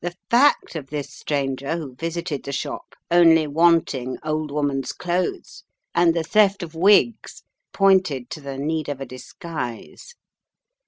The fact of this stranger who visited the shop only wanting old woman's clothes and the theft of wigs pointed to the need of a disguise.